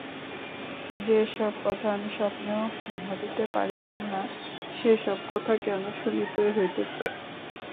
যে-সব কথা আমি স্বপ্নেও ভাবিতে পারিতাম না, সে-সব কথা কেন শুনিতে হইতেছে।